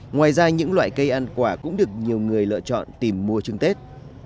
ngoài ra những loại cây ăn quả cũng được nhiều người lựa chọn tìm mua trứng tết